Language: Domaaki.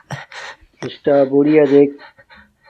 اِسٹݳبرِیݳ دݵک.